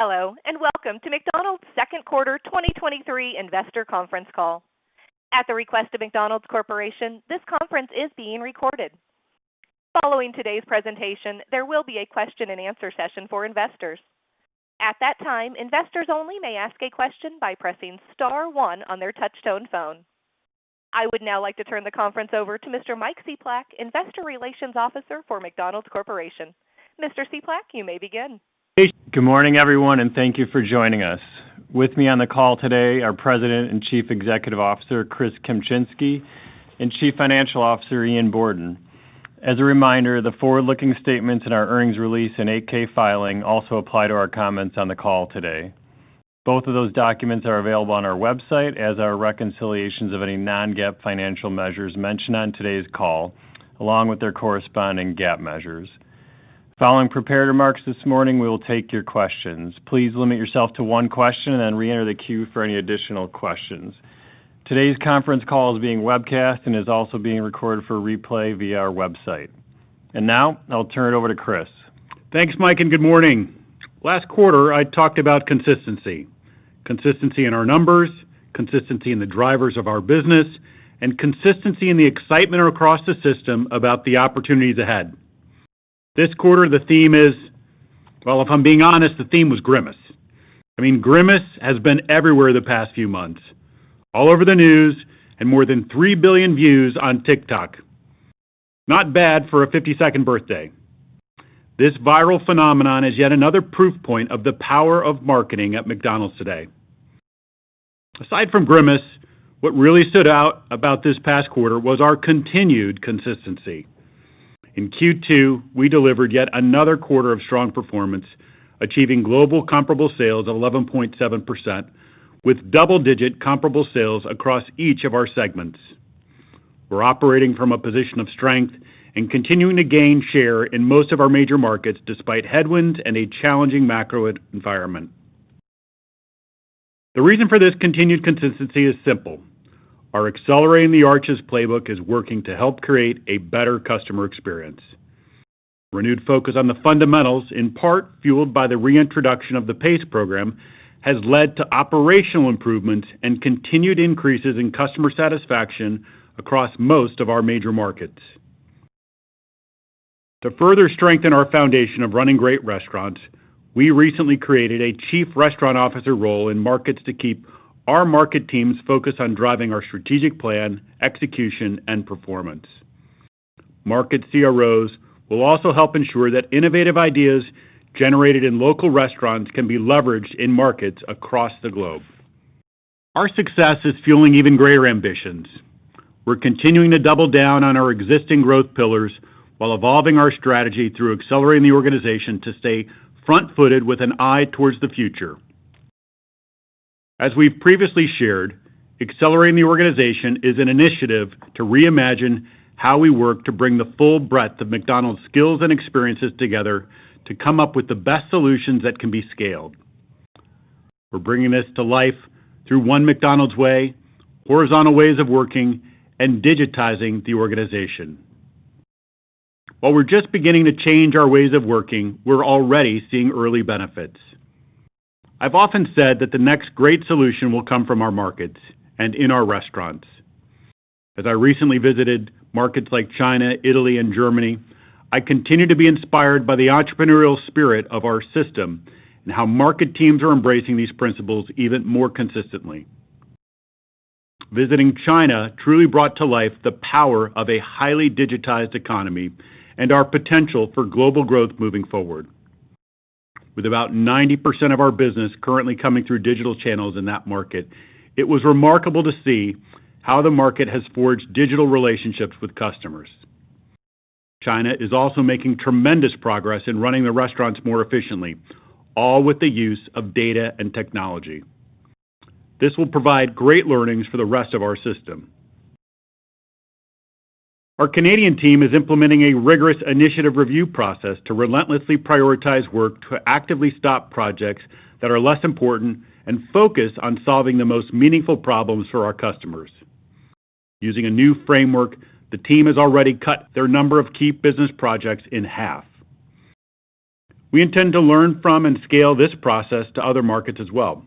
Hello, welcome to McDonald's second quarter 2023 investor conference call. At the request of McDonald's Corporation, this conference is being recorded. Following today's presentation, there will be a question-and-answer session for investors. At that time, investors only may ask a question by pressing star one on their touchtone phone. I would now like to turn the conference over to Mr. Mike Cieplak, Investor Relations Officer for McDonald's Corporation. Mr. Cieplak, you may begin. Good morning, everyone, and thank you for joining us. With me on the call today, are President and Chief Executive Officer, Chris Kempczinski, and Chief Financial Officer, Ian Borden. As a reminder, the forward-looking statements in our earnings release and 8-K filing also apply to our comments on the call today. Both of those documents are available on our website as are reconciliations of any non-GAAP financial measures mentioned on today's call, along with their corresponding GAAP measures. Following prepared remarks this morning, we will take your questions. Please limit yourself to one question and then reenter the queue for any additional questions. Today's conference call is being webcast and is also being recorded for replay via our website. Now, I'll turn it over to Chris. Thanks, Mike, and good morning. Last quarter, I talked about consistency. Consistency in our numbers, consistency in the drivers of our business, and consistency in the excitement across the system about the opportunities ahead. This quarter, the theme is... Well, if I'm being honest, the theme was Grimace. I mean, Grimace has been everywhere the past few months, all over the news and more than 3 billion views on TikTok. Not bad for a 50-second birthday. This viral phenomenon is yet another proof point of the power of marketing at McDonald's today. Aside from Grimace, what really stood out about this past quarter was our continued consistency. In Q2, we delivered yet another quarter of strong performance, achieving global comparable sales of 11.7%, with double-digit comparable sales across each of our segments. We're operating from a position of strength and continuing to gain share in most of our major markets, despite headwinds and a challenging macro environment. The reason for this continued consistency is simple: our Accelerating the Arches playbook is working to help create a better customer experience. Renewed focus on the fundamentals, in part fueled by the reintroduction of the PACE program, has led to operational improvements and continued increases in customer satisfaction across most of our major markets. To further strengthen our foundation of running great restaurants, we recently created a Chief Restaurant Officer role in markets to keep our market teams focused on driving our strategic plan, execution, and performance. Market CROs will also help ensure that innovative ideas generated in local restaurants can be leveraged in markets across the globe. Our success is fueling even greater ambitions. We're continuing to double down on our existing growth pillars while evolving our strategy through accelerating the organization to stay front-footed with an eye towards the future. As we've previously shared, accelerating the organization is an initiative to reimagine how we work to bring the full breadth of McDonald's skills and experiences together to come up with the best solutions that can be scaled. We're bringing this to life through One McDonald's Way, horizontal ways of working, and digitizing the organization. While we're just beginning to change our ways of working, we're already seeing early benefits. I've often said that the next great solution will come from our markets and in our restaurants. As I recently visited markets like China, Italy, and Germany, I continue to be inspired by the entrepreneurial spirit of our system and how market teams are embracing these principles even more consistently. Visiting China truly brought to life the power of a highly digitized economy and our potential for global growth moving forward. With about 90% of our business currently coming through digital channels in that market, it was remarkable to see how the market has forged digital relationships with customers. China is also making tremendous progress in running the restaurants more efficiently, all with the use of data and technology. This will provide great learnings for the rest of our system. Our Canadian team is implementing a rigorous initiative review process to relentlessly prioritize work, to actively stop projects that are less important and focus on solving the most meaningful problems for our customers. Using a new framework, the team has already cut their number of key business projects in half. We intend to learn from and scale this process to other markets as well.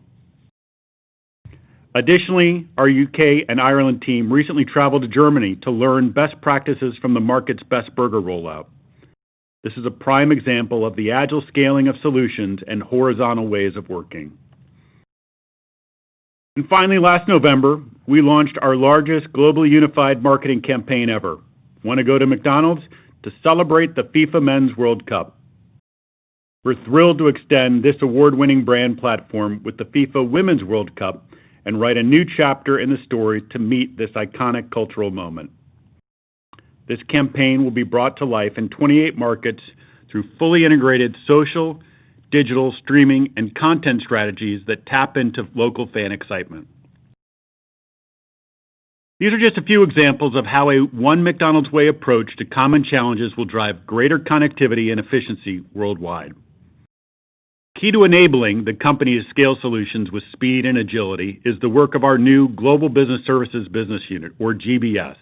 Our U.K. and Ireland team recently traveled to Germany to learn best practices from the market's Best Burger rollout. This is a prime example of the agile scaling of solutions and horizontal ways of working. Finally, last November, we launched our largest globally unified marketing campaign ever. Want to go to McDonald's to celebrate the FIFA Men's World Cup? We're thrilled to extend this award-winning brand platform with the FIFA Women's World Cup and write a new chapter in the story to meet this iconic cultural moment. This campaign will be brought to life in 28 markets through fully integrated social, digital, streaming, and content strategies that tap into local fan excitement. These are just a few examples of how a One McDonald's Way approach to common challenges will drive greater connectivity and efficiency worldwide. Key to enabling the company to scale solutions with speed and agility is the work of our new Global Business Services business unit or GBS.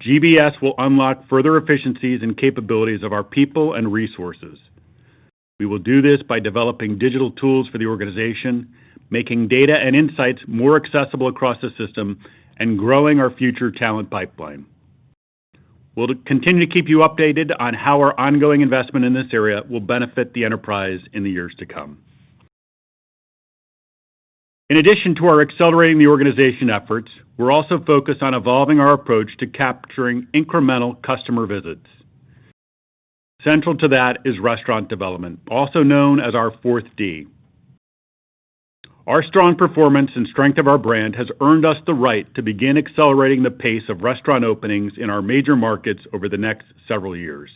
GBS will unlock further efficiencies and capabilities of our people and resources. We will do this by developing digital tools for the organization, making data and insights more accessible across the system, and growing our future talent pipeline. We'll continue to keep you updated on how our ongoing investment in this area will benefit the enterprise in the years to come. In addition to our Accelerating the Arches efforts, we're also focused on evolving our approach to capturing incremental customer visits. Central to that is Restaurant Development, also known as our 4th D. Our strong performance and strength of our brand has earned us the right to begin accelerating the pace of restaurant openings in our major markets over the next several years.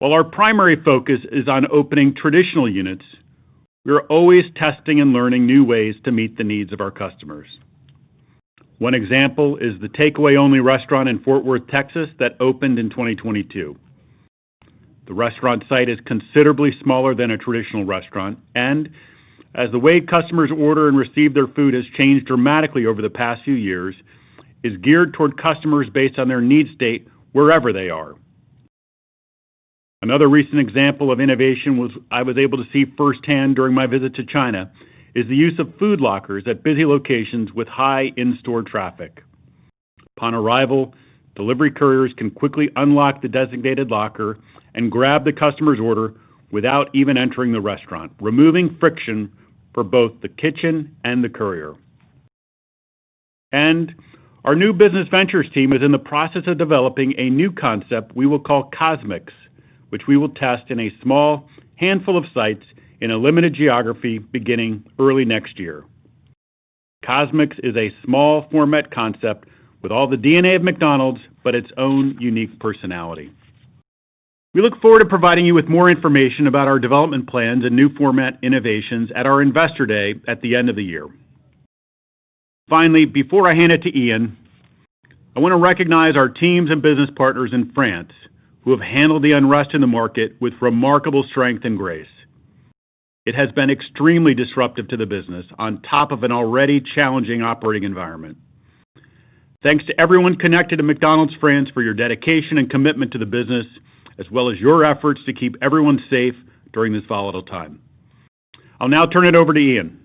While our primary focus is on opening traditional units, we are always testing and learning new ways to meet the needs of our customers. One example is the takeaway-only restaurant in Fort Worth, Texas, that opened in 2022. The restaurant site is considerably smaller than a traditional restaurant, and as the way customers order and receive their food has changed dramatically over the past few years, is geared toward customers based on their needs state wherever they are. Another recent example of innovation I was able to see firsthand during my visit to China, is the use of food lockers at busy locations with high in-store traffic. Upon arrival, delivery couriers can quickly unlock the designated locker and grab the customer's order without even entering the restaurant, removing friction for both the kitchen and the courier. Our new business ventures team is in the process of developing a new concept we will call CosMc's, which we will test in a small handful of sites in a limited geography beginning early next year. CosMc's is a small format concept with all the DNA of McDonald's, but its own unique personality. We look forward to providing you with more information about our development plans and new format innovations at our Investor Day at the end of the year. Finally, before I hand it to Ian, I want to recognize our teams and business partners in France, who have handled the unrest in the market with remarkable strength and grace. It has been extremely disruptive to the business on top of an already challenging operating environment. Thanks to everyone connected to McDonald's France for your dedication and commitment to the business, as well as your efforts to keep everyone safe during this volatile time. I'll now turn it over to Ian.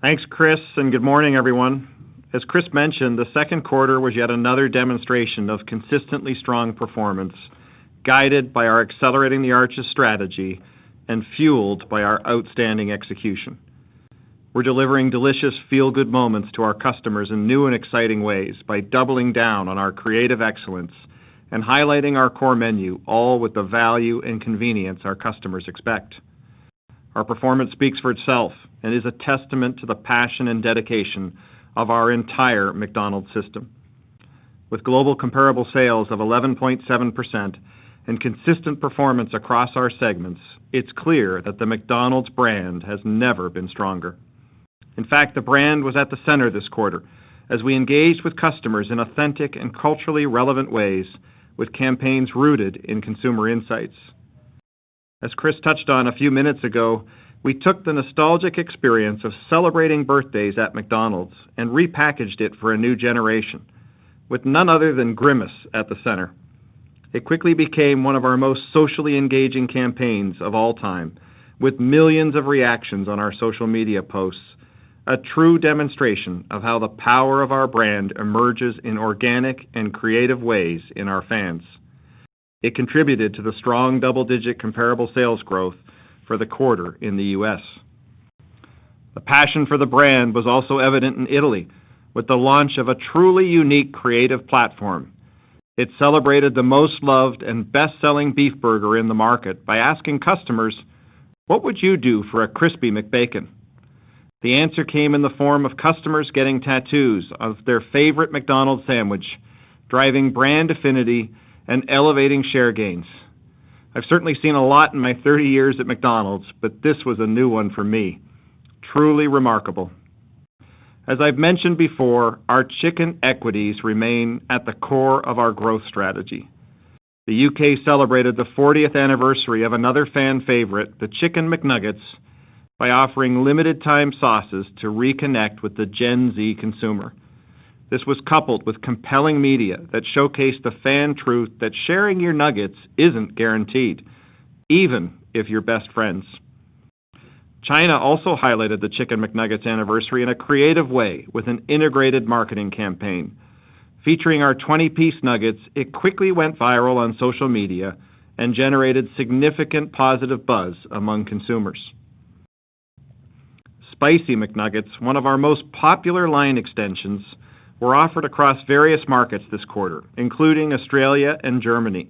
Thanks, Chris, and good morning, everyone. As Chris mentioned, the second quarter was yet another demonstration of consistently strong performance, guided by our Accelerating the Arches strategy and fueled by our outstanding execution. We're delivering delicious feel-good moments to our customers in new and exciting ways by doubling down on our creative excellence and highlighting our core menu, all with the value and convenience our customers expect. Our performance speaks for itself and is a testament to the passion and dedication of our entire McDonald's system. With global comparable sales of 11.7% and consistent performance across our segments, it's clear that the McDonald's brand has never been stronger. In fact, the brand was at the center this quarter as we engaged with customers in authentic and culturally relevant ways with campaigns rooted in consumer insights. As Chris touched on a few minutes ago, we took the nostalgic experience of celebrating birthdays at McDonald's and repackaged it for a new generation, with none other than Grimace at the center. It quickly became one of our most socially engaging campaigns of all time, with millions of reactions on our social media posts, a true demonstration of how the power of our brand emerges in organic and creative ways in our fans. It contributed to the strong double-digit comparable sales growth for the quarter in the U.S. The passion for the brand was also evident in Italy, with the launch of a truly unique creative platform. It celebrated the most loved and best-selling beef burger in the market by asking customers, "What would you do for a Crispy McBacon?" The answer came in the form of customers getting tattoos of their favorite McDonald's sandwich, driving brand affinity and elevating share gains. I've certainly seen a lot in my 30 years at McDonald's, but this was a new one for me. Truly remarkable. As I've mentioned before, our chicken equities remain at the core of our growth strategy. The U.K. celebrated the fortieth anniversary of another fan favorite, the Chicken McNuggets, by offering limited time sauces to reconnect with the Gen Z consumer. This was coupled with compelling media that showcased the fan truth that sharing your nuggets isn't guaranteed, even if you're best friends. China also highlighted the Chicken McNuggets anniversary in a creative way with an integrated marketing campaign. Featuring our 20-piece nuggets, it quickly went viral on social media and generated significant positive buzz among consumers. Spicy McNuggets, one of our most popular line extensions, were offered across various markets this quarter, including Australia and Germany.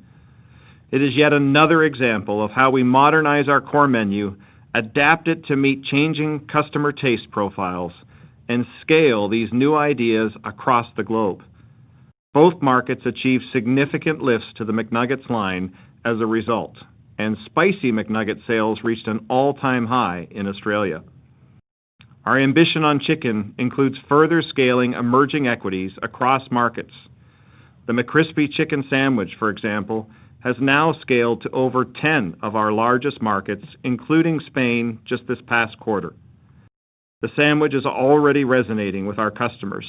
It is yet another example of how we modernize our core menu, adapt it to meet changing customer taste profiles, and scale these new ideas across the globe. Both markets achieved significant lifts to the McNuggets line as a result, and Spicy McNugget sales reached an all-time high in Australia. Our ambition on chicken includes further scaling emerging equities across markets. The McCrispy chicken sandwich, for example, has now scaled to over 10 of our largest markets, including Spain, just this past quarter. The sandwich is already resonating with our customers,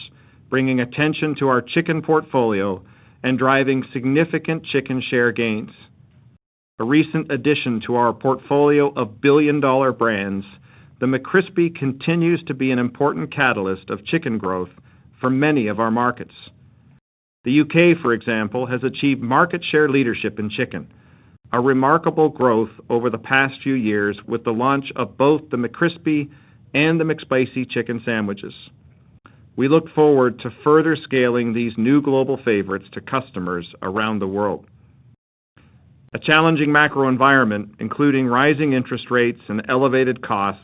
bringing attention to our chicken portfolio and driving significant chicken share gains. A recent addition to our portfolio of billion-dollar brands, the McCrispy continues to be an important catalyst of chicken growth for many of our markets. The U.K., for example, has achieved market share leadership in chicken, a remarkable growth over the past few years, with the launch of both the McCrispy and the McSpicy chicken sandwiches. We look forward to further scaling these new global favorites to customers around the world. A challenging macro environment, including rising interest rates and elevated costs,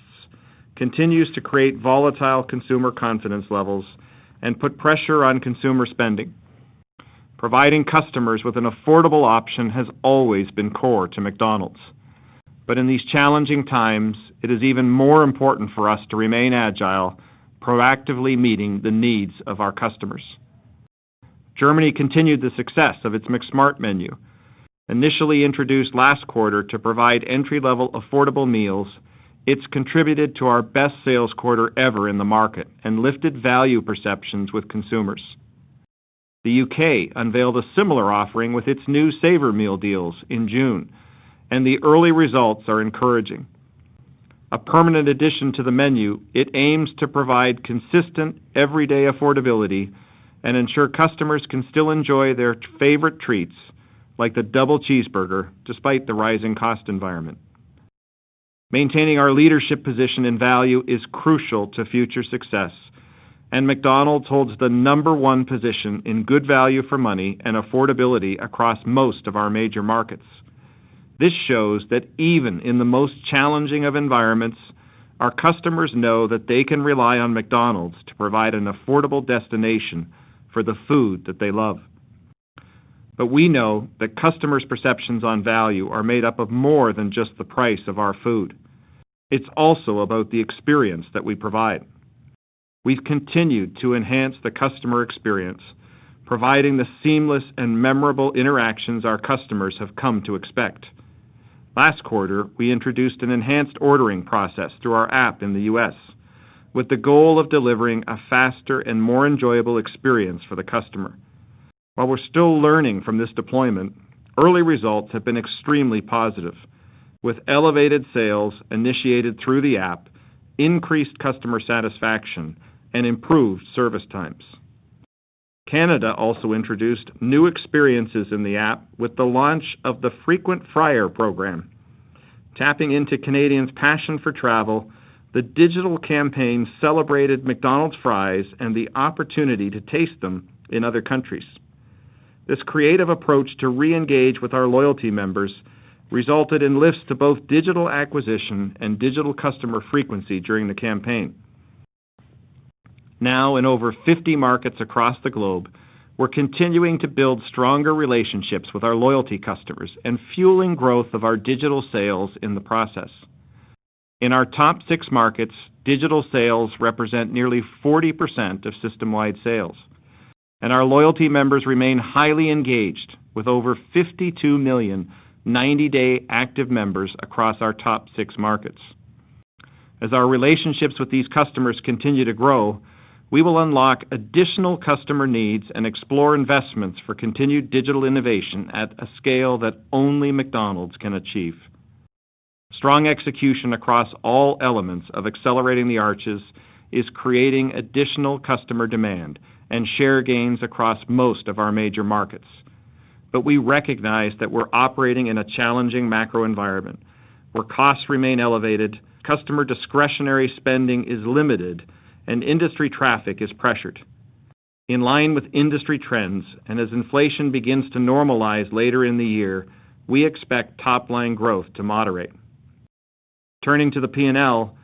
continues to create volatile consumer confidence levels and put pressure on consumer spending. Providing customers with an affordable option has always been core to McDonald's. In these challenging times, it is even more important for us to remain agile, proactively meeting the needs of our customers. Germany continued the success of its McSmart menu. Initially introduced last quarter to provide entry-level affordable meals, it's contributed to our best sales quarter ever in the market and lifted value perceptions with consumers. The U.K. unveiled a similar offering with its new saver meal deals in June. The early results are encouraging. A permanent addition to the menu, it aims to provide consistent, everyday affordability and ensure customers can still enjoy their favorite treats, like the Double Cheeseburger, despite the rising cost environment. Maintaining our leadership position in value is crucial to future success. McDonald's holds the number one position in good value for money and affordability across most of our major markets. This shows that even in the most challenging of environments, our customers know that they can rely on McDonald's to provide an affordable destination for the food that they love. We know that customers' perceptions on value are made up of more than just the price of our food. It's also about the experience that we provide. We've continued to enhance the customer experience, providing the seamless and memorable interactions our customers have come to expect. Last quarter, we introduced an enhanced ordering process through our app in the U.S., with the goal of delivering a faster and more enjoyable experience for the customer. While we're still learning from this deployment, early results have been extremely positive, with elevated sales initiated through the app, increased customer satisfaction, and improved service times. Canada also introduced new experiences in the app with the launch of the Frequent Fryer program. Tapping into Canadians' passion for travel, the digital campaign celebrated McDonald's fries and the opportunity to taste them in other countries. This creative approach to reengage with our loyalty members resulted in lifts to both digital acquisition and digital customer frequency during the campaign. Now, in over 50 markets across the globe, we're continuing to build stronger relationships with our loyalty customers and fueling growth of our digital sales in the process. In our top 6 markets, digital sales represent nearly 40% of system-wide sales, and our loyalty members remain highly engaged with over 52 million 90-day active members across our top six markets. As our relationships with these customers continue to grow, we will unlock additional customer needs and explore investments for continued digital innovation at a scale that only McDonald's can achieve. Strong execution across all elements of Accelerating the Arches is creating additional customer demand and share gains across most of our major markets. We recognize that we're operating in a challenging macro environment, where costs remain elevated, customer discretionary spending is limited, and industry traffic is pressured. In line with industry trends, and as inflation begins to normalize later in the year, we expect top-line growth to moderate. Turning to the P&L,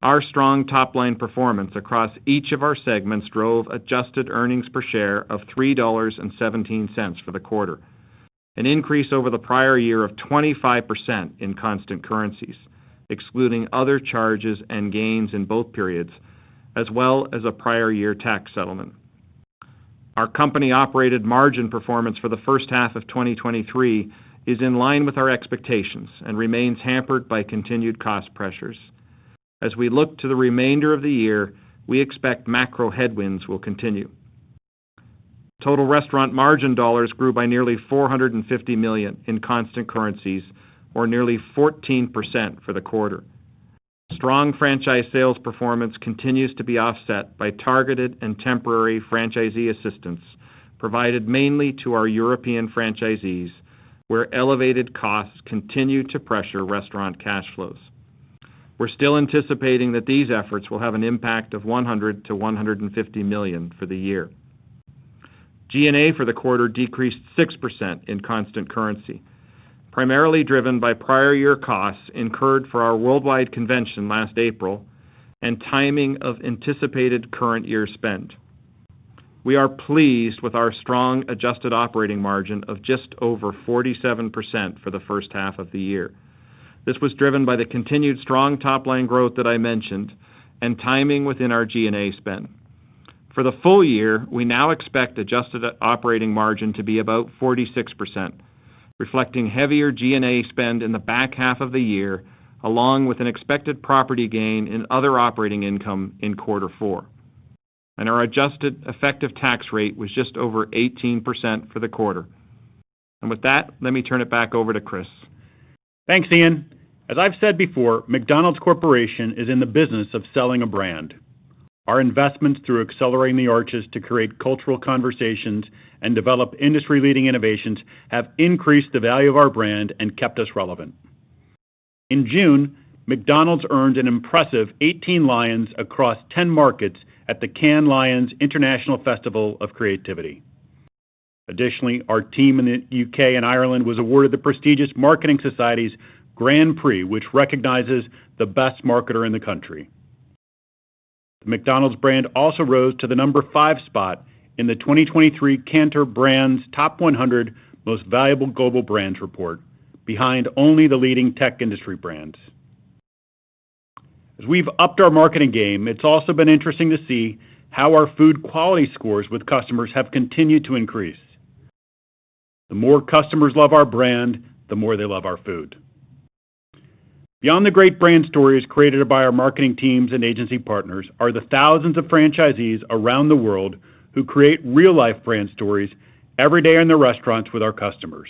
our strong top-line performance across each of our segments drove adjusted earnings per share of $3.17 for the quarter, an increase over the prior year of 25% in constant currencies, excluding other charges and gains in both periods, as well as a prior-year tax settlement. Our company-operated margin performance for the first half of 2023 is in line with our expectations and remains hampered by continued cost pressures. As we look to the remainder of the year, we expect macro headwinds will continue. Total restaurant margin dollars grew by nearly $450 million in constant currencies, or nearly 14% for the quarter. Strong franchise sales performance continues to be offset by targeted and temporary franchisee assistance, provided mainly to our European franchisees, where elevated costs continue to pressure restaurant cash flows. We're still anticipating that these efforts will have an impact of $100 million-$150 million for the year. G&A for the quarter decreased 6% in constant currency, primarily driven by prior year costs incurred for our worldwide convention last April and timing of anticipated current year spend. We are pleased with our strong adjusted operating margin of just over 47% for the first half of the year. This was driven by the continued strong top-line growth that I mentioned and timing within our G&A spend. For the full year, we now expect adjusted operating margin to be about 46%, reflecting heavier G&A spend in the back half of the year, along with an expected property gain in other operating income in quarter four. Our adjusted effective tax rate was just over 18% for the quarter. With that, let me turn it back over to Chris. Thanks, Ian. As I've said before, McDonald's Corporation is in the business of selling a brand. Our investments through Accelerating the Arches to create cultural conversations and develop industry-leading innovations have increased the value of our brand and kept us relevant. In June, McDonald's earned an impressive 18 Lions across 10 markets at the Cannes Lions International Festival of Creativity. Additionally, our team in the U.K. and Ireland was awarded the prestigious Marketing Society's Grand Prix, which recognizes the best marketer in the country. McDonald's brand also rose to the number 5 spot in the 2023 Kantar BrandZ Top 100 Most Valuable Global Brands report, behind only the leading tech industry brands. As we've upped our marketing game, it's also been interesting to see how our food quality scores with customers have continued to increase. The more customers love our brand, the more they love our food. Beyond the great brand stories created by our marketing teams and agency partners are the thousands of franchisees around the world who create real-life brand stories every day in their restaurants with our customers.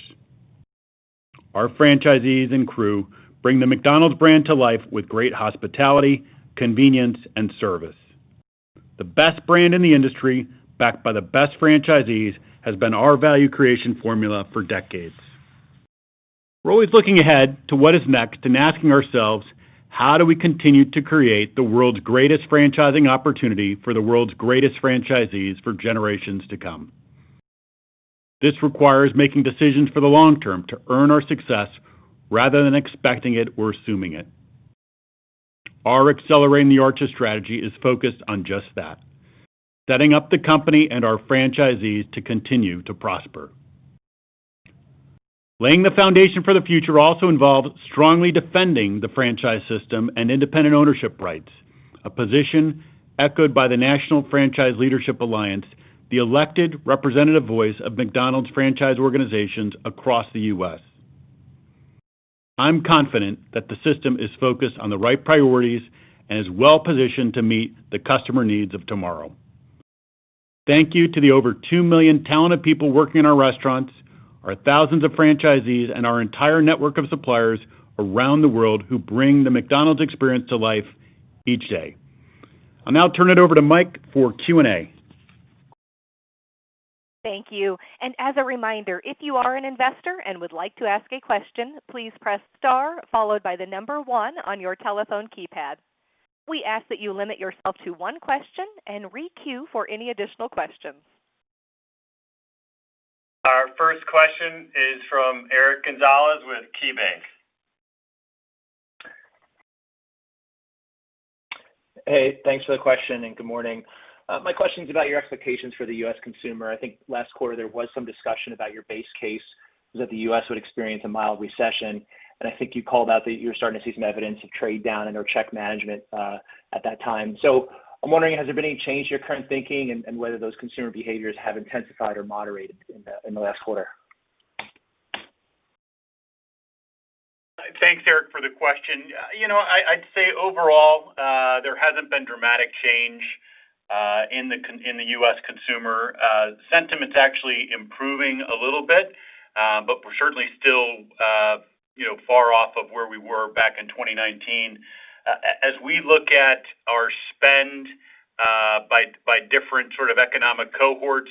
Our franchisees and crew bring the McDonald's brand to life with great hospitality, convenience, and service. The best brand in the industry, backed by the best franchisees, has been our value creation formula for decades. We're always looking ahead to what is next and asking ourselves, how do we continue to create the world's greatest franchising opportunity for the world's greatest franchisees for generations to come? This requires making decisions for the long term to earn our success rather than expecting it or assuming it. Our Accelerating the Arches strategy is focused on just that, setting up the company and our franchisees to continue to prosper. Laying the foundation for the future also involves strongly defending the franchise system and independent ownership rights, a position echoed by the National Franchisee Leadership Alliance, the elected representative voice of McDonald's franchise organizations across the U.S. I'm confident that the system is focused on the right priorities and is well-positioned to meet the customer needs of tomorrow. Thank you to the over 2 million talented people working in our restaurants, our thousands of franchisees, and our entire network of suppliers around the world who bring the McDonald's experience to life each day. I'll now turn it over to Mike for Q&A. Thank you. As a reminder, if you are an investor and would like to ask a question, please press star followed by one on your telephone keypad. We ask that you limit yourself to one question and re-queue for any additional questions. Our first question is from Eric Gonzalez with KeyBanc. Hey, thanks for the question, and good morning. My question is about your expectations for the U.S. consumer. I think last quarter, there was some discussion about your base case, that the U.S. would experience a mild recession, and I think you called out that you were starting to see some evidence of trade down and/or check management, at that time. I'm wondering, has there been any change in your current thinking and whether those consumer behaviors have intensified or moderated in the, in the last quarter? Thanks, Eric, for the question. You know, I'd say overall, there hasn't been dramatic change in the U.S. consumer. Sentiment is actually improving a little bit, we're certainly still, you know, far off of where we were back in 2019. As we look at our spend by different sort of economic cohorts,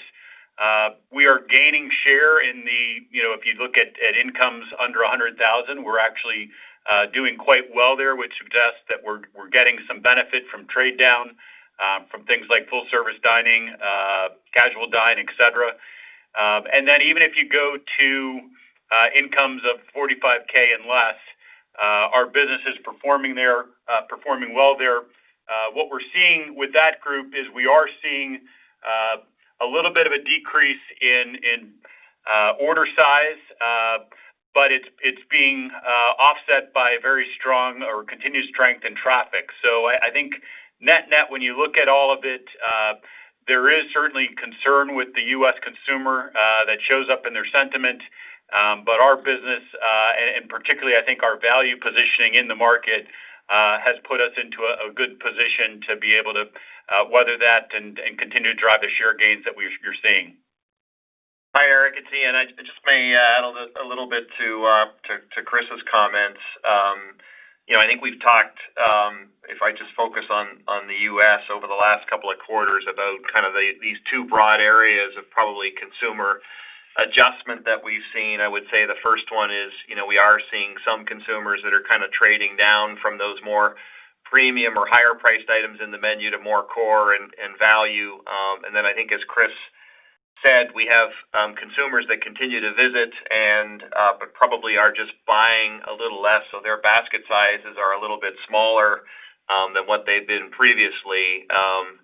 we are gaining share. You know, if you look at incomes under $100,000, we're actually doing quite well there, which suggests that we're getting some benefit from trade down from things like full-service dining, casual dine, et cetera. Even if you go to incomes of $45,000 and less, our business is performing there, performing well there. What we're seeing with that group is we are seeing a little bit of a decrease in, in order size, but it's, it's being offset by very strong or continued strength in traffic. I, I think net-net, when you look at all of it, there is certainly concern with the U.S. consumer, that shows up in their sentiment, but our business, and, and particularly, I think our value positioning in the market, has put us into a good position to be able to weather that and, and continue to drive the share gains that we're seeing. Hi, Eric, it's Ian. I just may add a little bit to Chris's comments. You know, I think we've talked, if I just focus on the U.S. over the last couple of quarters, about kind of these two broad areas of probably consumer adjustment that we've seen. I would say the first one is, you know, we are seeing some consumers that are kind of trading down from those more premium or higher priced items in the menu to more core and value. Then I think, as Chris said, we have consumers that continue to visit, but probably are just buying a little less, so their basket sizes are a little bit smaller than what they've been previously. I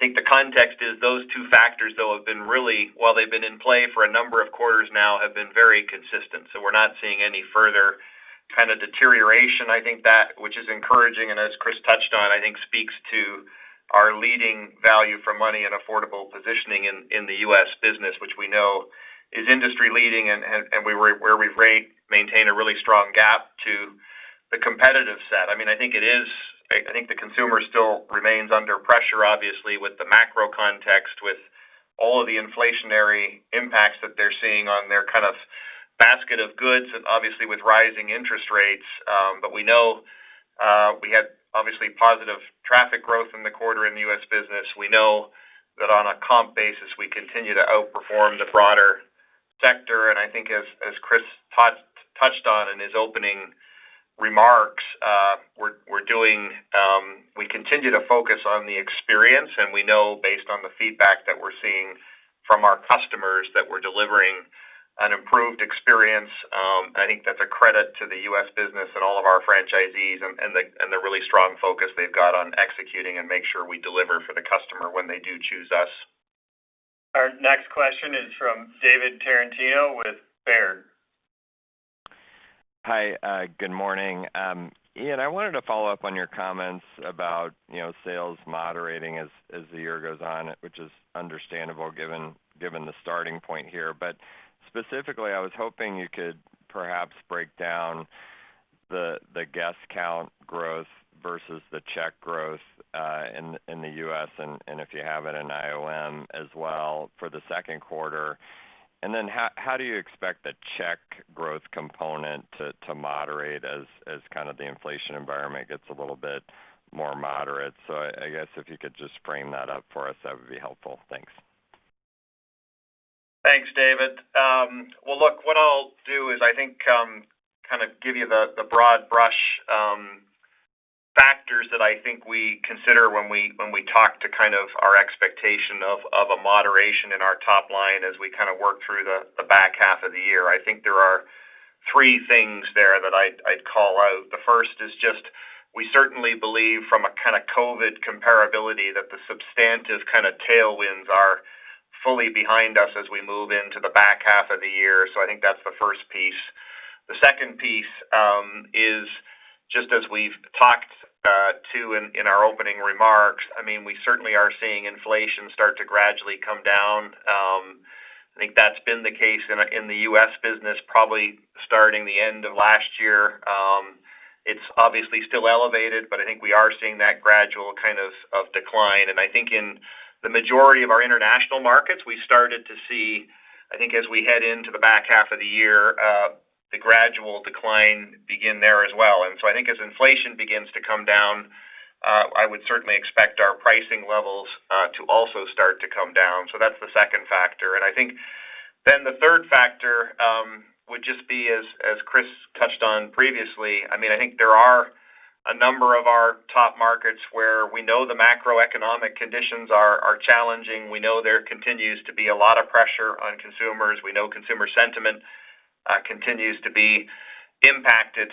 think the context is those two factors, though, have been really, while they've been in play for a number of quarters now, have been very consistent. We're not seeing any further kind of deterioration. I think that, which is encouraging, and as Chris touched on, I think speaks to our leading value for money and affordable positioning in, in the U.S. business, which we know is industry-leading and where we rate, maintain a really strong gap to the competitive set. I mean, I think the consumer still remains under pressure, obviously, with the macro context, with all of the inflationary impacts that they're seeing on their kind of basket of goods and obviously with rising interest rates. We know, we had obviously positive traffic growth in the quarter in the U.S. business. We know that on a comp basis, we continue to outperform the broader sector. I think as Chris touched on in his opening remarks, we continue to focus on the experience, and we know based on the feedback that we're seeing from our customers, that we're delivering an improved experience. I think that's a credit to the U.S. business and all of our franchisees and the really strong focus they've got on executing and make sure we deliver for the customer when they do choose us. Our next question is from David Tarantino with Baird. Hi, good morning. Ian, I wanted to follow up on your comments about, you know, sales moderating as the year goes on, which is understandable, given the starting point here. Specifically, I was hoping you could perhaps break down the guest count growth versus the check growth in the U.S., and if you have it in IOM as well for the second quarter. How do you expect the check growth component to moderate as kind of the inflation environment gets a little bit more moderate? I guess if you could just frame that up for us, that would be helpful. Thanks. Thanks, David. Well, look, what I'll do is I think kind of give you the broad brush factors that I think we consider when we, when we talk to kind of our expectation of a moderation in our top line as we kind of work through the back half of the year. I think there are three things there that I'd call out. The first is just, we certainly believe from a kind of COVID comparability, that the substantive kind of tailwinds are fully behind us as we move into the back half of the year. I think that's the first piece. The second piece, is just as we've talked to in our opening remarks, I mean, we certainly are seeing inflation start to gradually come down. I think that's been the case in, in the U.S. business, probably starting the end of last year. It's obviously still elevated, but I think we are seeing that gradual kind of, of decline. I think in the majority of our international markets, we started to see, I think as we head into the back half of the year, the gradual decline begin there as well. I think as inflation begins to come down, I would certainly expect our pricing levels to also start to come down. That's the second factor. I think then the third factor would just be, as, as Chris touched on previously, I mean, I think there are a number of our top markets where we know the macroeconomic conditions are, are challenging. We know there continues to be a lot of pressure on consumers. We know consumer sentiment continues to be impacted.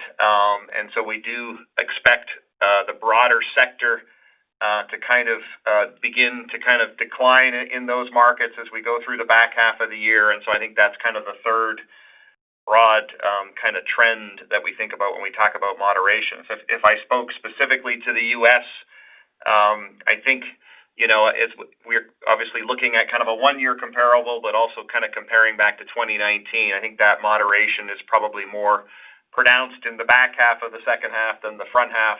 We do expect the broader sector to begin to decline in those markets as we go through the back half of the year. I think that's the third broad trend that we think about when we talk about moderation. If I spoke specifically to the U.S., I think, you know, as we're obviously looking at a one-year comparable, but also comparing back to 2019, I think that moderation is probably more pronounced in the back half of the second half than the front half.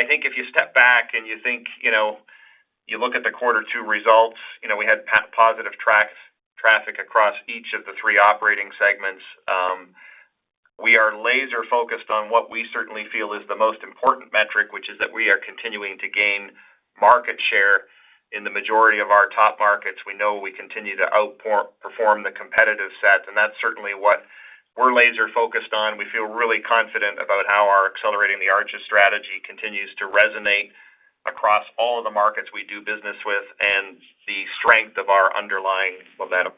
I think if you step back and you think, you know, you look at the quarter two results, you know, we had positive traffic across each of the three operating segments. We are laser focused on what we certainly feel is the most important metric, which is that we are continuing to gain market share in the majority of our top markets. We know we continue to outperform the competitive set, and that's certainly what we're laser focused on. We feel really confident about how our Accelerating the Arches strategy continues to resonate across all of the markets we do business with and the strength of our underlying momentum.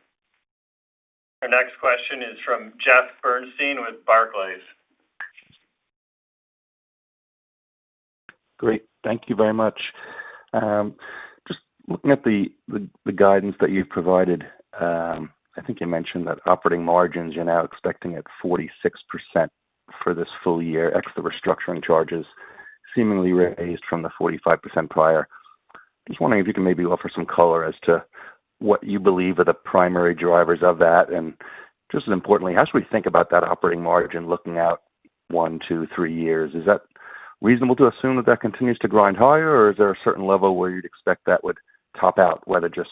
Our next question is from Jeff Bernstein with Barclays. Great. Thank you very much. Just looking at the guidance that you've provided, I think you mentioned that operating margins, you're now expecting at 46% for this full year, ex the restructuring charges, seemingly raised from the 45% prior. Just wondering if you can maybe offer some color as to what you believe are the primary drivers of that. Just as importantly, as we think about that operating margin, looking out one, two, three years, is that reasonable to assume that that continues to grind higher, or is there a certain level where you'd expect that would top out, whether just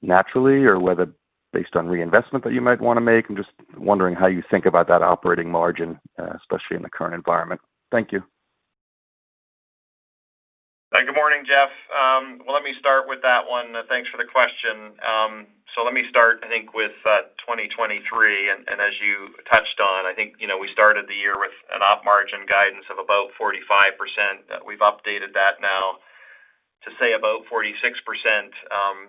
naturally or whether based on reinvestment that you might want to make? I'm just wondering how you think about that operating margin, especially in the current environment. Thank you. Good morning, Jeff. Well, let me start with that one. Thanks for the question. Let me start, I think, with 2023, and as you touched on, I think, you know, we started the year with an op margin guidance of about 45%. We've updated that now to say about 46%.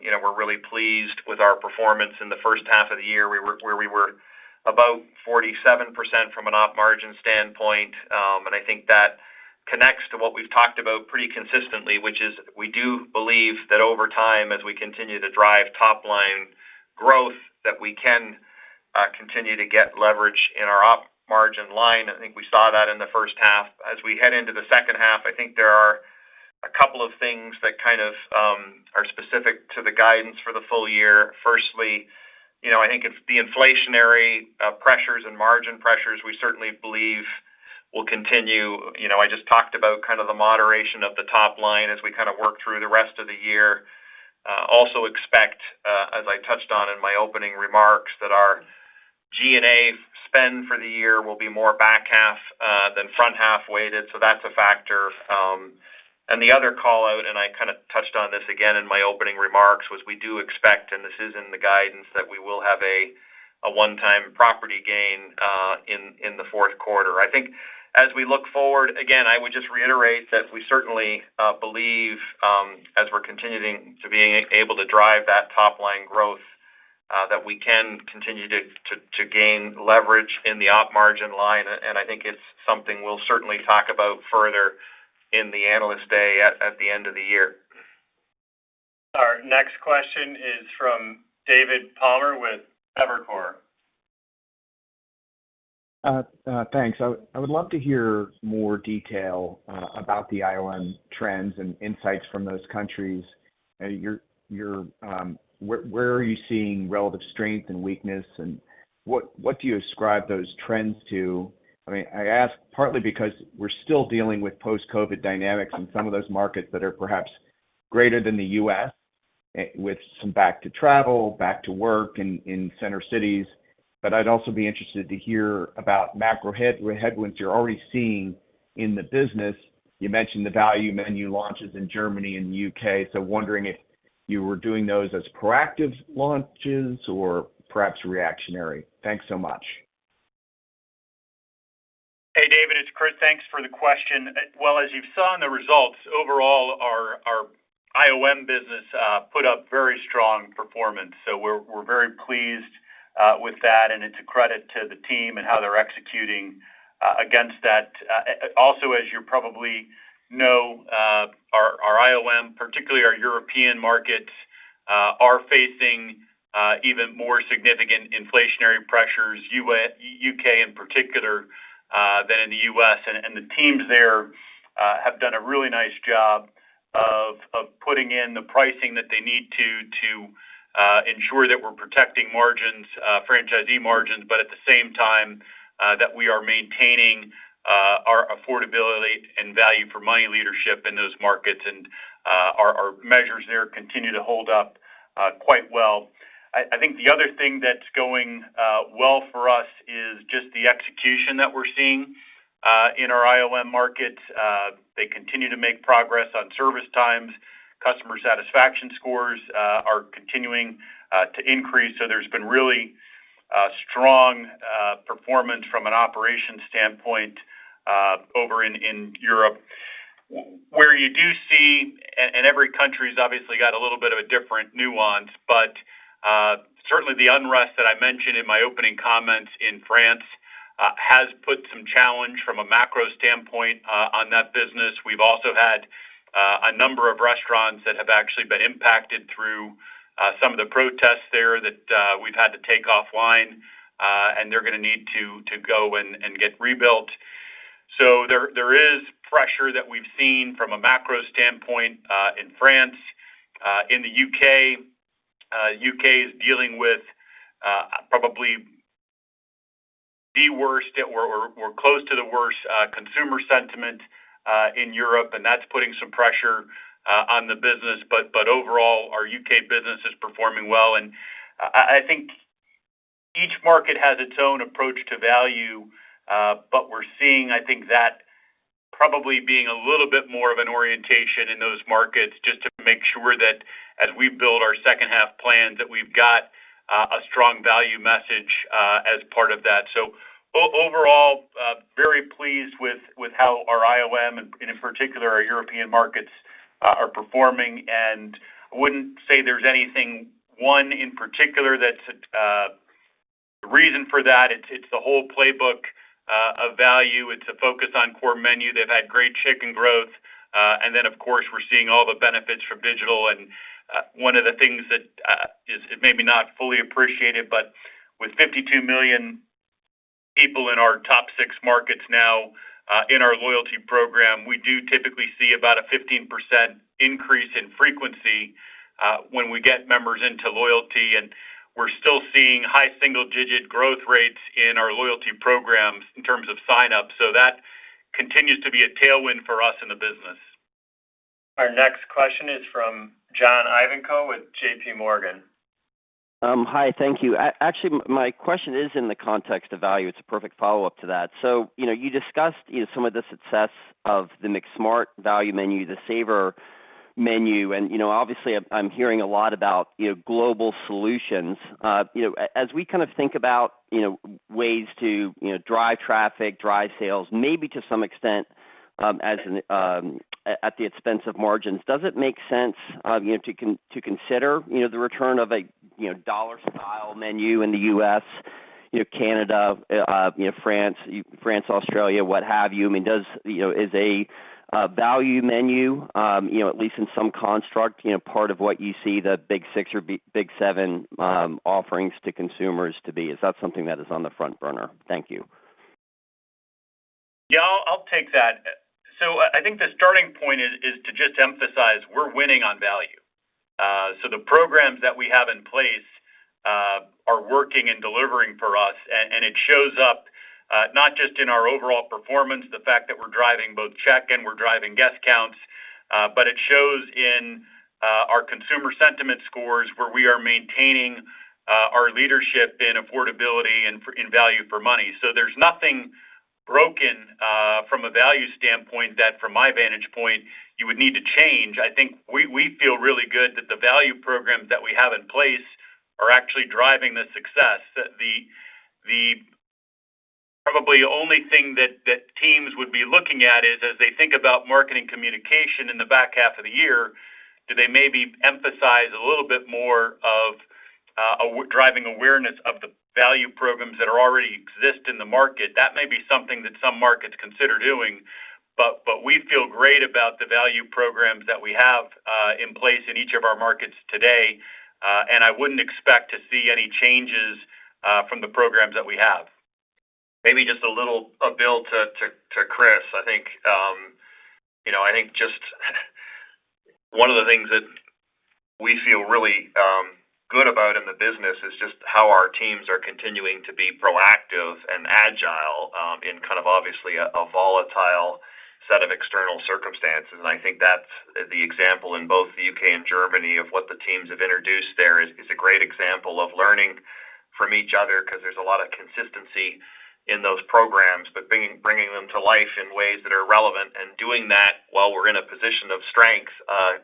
You know, we're really pleased with our performance in the first half of the year, where we were about 47% from an Op margin standpoint. I think that connects to what we've talked about pretty consistently, which is we do believe that over time, as we continue to drive top line growth, that we can continue to get leverage in our Op margin line. I think we saw that in the first half. We head into the second half, I think there are a couple of things that kind of are specific to the guidance for the full year. You know, I think it's the inflationary pressures and margin pressures we certainly believe will continue. You know, I just talked about kind of the moderation of the top line as we kind of work through the rest of the year. Also expect, as I touched on in my opening remarks, that our G&A spend for the year will be more back half than front half weighted, so that's a factor. The other call-out, and I kind of touched on this again in my opening remarks, was we do expect, and this is in the guidance, that we will have a one-time property gain in the fourth quarter. I think as we look forward, again, I would just reiterate that we certainly believe, as we're continuing to being able to drive that top line growth, that we can continue to gain leverage in the op margin line. I think it's something we'll certainly talk about further in the Analyst Day at the end of the year. Our next question is from David Palmer with Evercore. Thanks. I would love to hear more detail about the IOM trends and insights from those countries. Where are you seeing relative strength and weakness, and what do you ascribe those trends to? I mean, I ask partly because we're still dealing with post-COVID dynamics in some of those markets that are perhaps greater than the U.S., with some back to travel, back to work in center cities. I'd also be interested to hear about macro headwinds you're already seeing in the business. You mentioned the value menu launches in Germany and the U.K., wondering if you were doing those as proactive launches or perhaps reactionary. Thanks so much. Hey, David, it's Chris. Thanks for the question. Well, as you saw in the results, overall, our IOM business put up very strong performance, so we're very pleased with that, and it's a credit to the team and how they're executing against that. Also, as you probably know, our IOM, particularly our European markets, are facing even more significant inflationary pressures, U.S.-U.K. in particular than in the U.S. The teams there have done a really nice job of putting in the pricing that they need to ensure that we're protecting margins, franchisee margins, but at the same time that we are maintaining our affordability and value for money leadership in those markets. Our measures there continue to hold up quite well. I think the other thing that's going well for us is just the execution that we're seeing in our IOM markets. They continue to make progress on service times. Customer satisfaction scores are continuing to increase, so there's been really strong performance from an operation standpoint over in Europe. Where you do see, and every country's obviously got a little bit of a different nuance, but certainly the unrest that I mentioned in my opening comments in France has put some challenge from a macro standpoint on that business. We've also had a number of restaurants that have actually been impacted through some of the protests there, that we've had to take offline, and they're gonna need to go and get rebuilt. There is pressure that we've seen from a macro standpoint in France, in the U.K. U.K. is dealing with probably the worst or close to the worst consumer sentiment in Europe, and that's putting some pressure on the business. Overall, our U.K. business is performing well. I think each market has its own approach to value, but we're seeing, I think that probably being a little bit more of an orientation in those markets, just to make sure that as we build our second half plans, that we've got a strong value message as part of that. Overall, very pleased with, with how our IOM and, and in particular, our European markets are performing, and I wouldn't say there's anything, one in particular that's the reason for that. It's, it's the whole playbook of value. It's a focus on core menu. They've had great chicken growth. And then, of course, we're seeing all the benefits from Digital. And one of the things that is maybe not fully appreciated, but with 52 million people in our top six markets now, in our loyalty program, we do typically see about a 15% increase in frequency when we get members into loyalty, and we're still seeing high single-digit growth rates in our loyalty programs in terms of signups. That continues to be a tailwind for us in the business. Our next question is from John Ivankoe with JPMorgan. Hi, thank you. Actually, my question is in the context of value. It's a perfect follow-up to that. You know, you discussed, you know, some of the success of the McSmart menu, the Saver Menu, and, you know, obviously, I'm, I'm hearing a lot about, you know, global solutions. You know, as we kind of think about, you know, ways to, you know, drive traffic, drive sales, maybe to some extent, as an at the expense of margins, does it make sense, you know, to consider, you know, the return of a, you know, dollar style menu in the U.S., you know, Canada, you know, France, Australia, what have you? I mean, does, you know, is a value menu, you know, at least in some construct, you know, part of what you see the big six or big seven offerings to consumers to be? Is that something that is on the front burner? Thank you. Yeah, I'll take that. I think the starting point is to just emphasize we're winning on value. The programs that we have in place are working and delivering for us, and it shows up not just in our overall performance, the fact that we're driving both check and we're driving guest counts, but it shows in our consumer sentiment scores, where we are maintaining our leadership in affordability and in value for money. There's nothing broken from a value standpoint, that from my vantage point, you would need to change. I think we feel really good that the value programs that we have in place are actually driving the success. That the probably only thing that teams would be looking at is as they think about marketing communication in the back half of the year, do they maybe emphasize a little bit more of driving awareness of the value programs that are already exist in the market. That may be something that some markets consider doing, but we feel great about the value programs that we have in place in each of our markets today. I wouldn't expect to see any changes from the programs that we have. Maybe just a little a bit to Chris. I think, you know, I think just one of the things that we feel really good about in the business is just how our teams are continuing to be proactive and agile in kind of obviously a volatile set of external circumstances. I think that's the example in both the U.K. and Germany of what the teams have introduced there is a great example of learning from each other, 'cause there's a lot of consistency in those programs. Bringing them to life in ways that are relevant and doing that while we're in a position of strength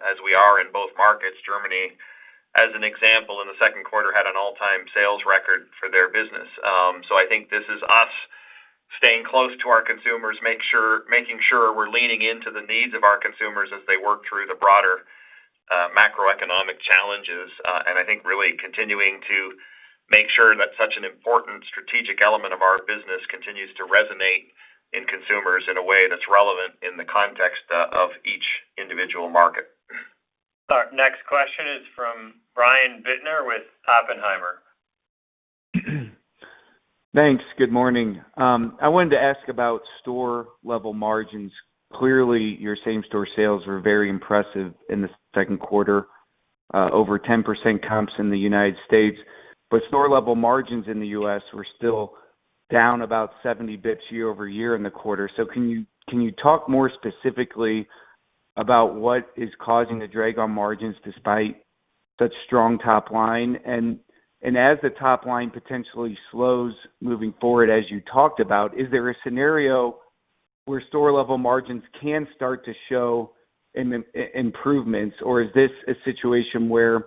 as we are in both markets. Germany, as an example, in the second quarter, had an all-time sales record for their business. I think this is us staying close to our consumers, making sure we're leaning into the needs of our consumers as they work through the broader macroeconomic challenges, and I think really continuing to make sure that such an important strategic element of our business continues to resonate in consumers in a way that's relevant in the context of each individual market. Our next question is from Brian Bittner with Oppenheimer. Thanks. Good morning. I wanted to ask about store-level margins. Clearly, your same store sales were very impressive in the second quarter, over 10% comps in the United States, but store-level margins in the U.S. were still down about 70 basis points year-over-year in the quarter. Can you talk more specifically about what is causing the drag on margins despite such strong top line? As the top line potentially slows moving forward, as you talked about, is there a scenario where store-level margins can start to show improvements, or is this a situation where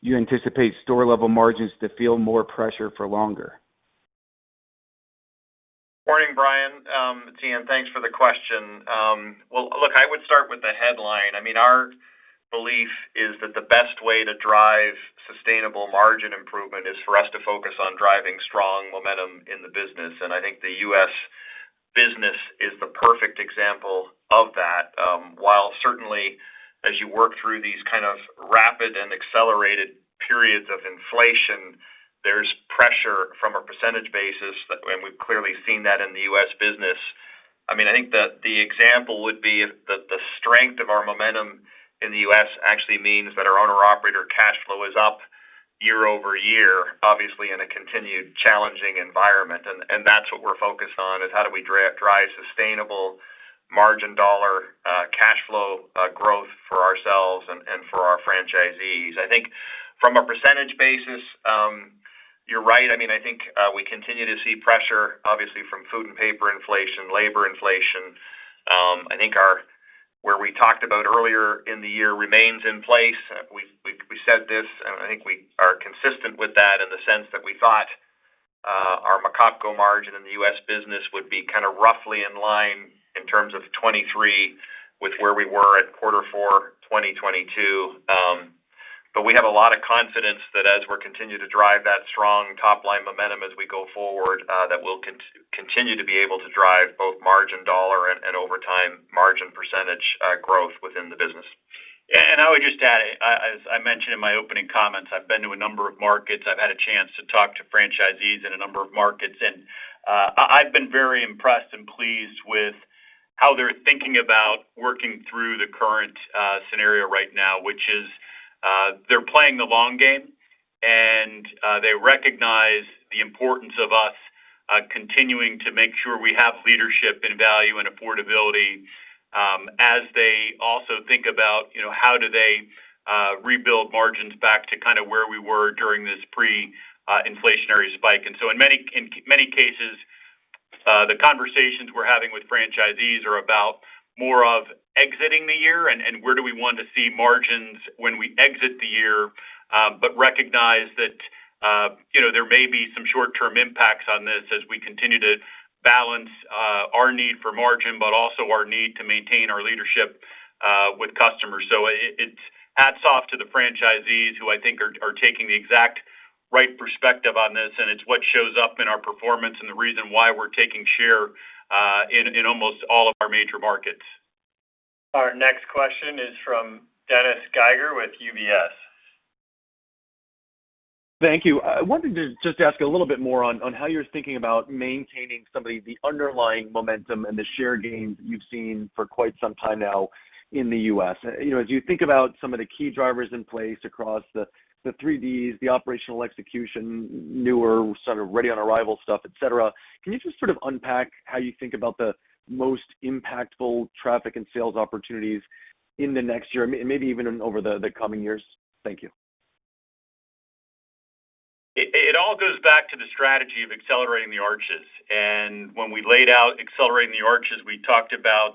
you anticipate store-level margins to feel more pressure for longer? Morning, Brian, and thanks for the question. Well, look, I would start with the headline. I mean, our belief is that the best way to drive sustainable margin improvement is for us to focus on driving strong momentum in the business. I think the U.S. business is the perfect example of that. While certainly as you work through these kind of rapid and accelerated periods of inflation, there's pressure from a percentage basis, and we've clearly seen that in the U.S. business. I mean, I think the example would be that the strength of our momentum in the U.S. actually means that our owner operator cash flow is up year-over-year, obviously, in a continued challenging environment. That's what we're focused on, is how do we drive sustainable margin dollar, cash flow, growth for ourselves and for our franchisees. I think from a percentage basis, you're right. I mean, I think, we continue to see pressure, obviously, from food and paper inflation, labor inflation. I think where we talked about earlier in the year remains in place. We said this, and I think we are consistent with that in the sense that we thought, our McOpCo margin in the U.S. business would be kinda roughly in line in terms of 2023, with where we were at Q4, 2022. We have a lot of confidence that as we're continuing to drive that strong top-line momentum as we go forward, that we'll continue to be able to drive both margin dollar and over time, margin percentage growth within the business. I would just add, as I mentioned in my opening comments, I've been to a number of markets. I've had a chance to talk to franchisees in a number of markets, I've been very impressed and pleased with how they're thinking about working through the current scenario right now, which is they're playing the long game, and they recognize the importance of us continuing to make sure we have leadership and value and affordability, as they also think about, you know, how do they rebuild margins back to kind of where we were during this pre-inflationary spike. In many, in many cases, the conversations we're having with franchisees are about more of exiting the year and where do we want to see margins when we exit the year, but recognize that. There may be some short-term impacts on this as we continue to balance, our need for margin, but also our need to maintain our leadership, with customers. It's hats off to the franchisees, who I think are taking the exact right perspective on this, and it's what shows up in our performance and the reason why we're taking share, in almost all of our major markets. Our next question is from Dennis Geiger with UBS. Thank you. I wanted to just ask you a little bit more on, on how you're thinking about maintaining some of the, the underlying momentum and the share gains you've seen for quite some time now in the U.S. You know, as you think about some of the key drivers in place across the, the 3Ds, the operational execution, newer, sort of Ready on Arrival stuff, et cetera, can you just sort of unpack how you think about the most impactful traffic and sales opportunities in the next year, and maybe even over the, the coming years? Thank you. It all goes back to the strategy of Accelerating the Arches. When we laid out Accelerating the Arches, we talked about